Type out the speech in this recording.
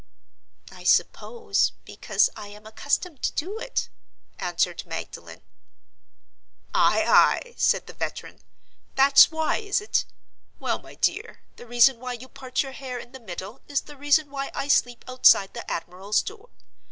"I suppose, because I am accustomed to do it," answered Magdalen. "Ay! ay!" said the veteran. "That's why, is it? Well, my dear, the reason why you part your hair in the middle is the reason why I sleep outside the admiral's door.